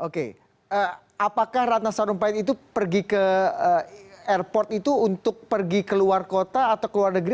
oke apakah ratna sarumpait itu pergi ke airport itu untuk pergi ke luar kota atau ke luar negeri